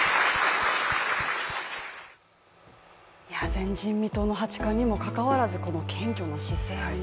前人未到の八冠にもかかわらずこの謙虚な姿勢がね。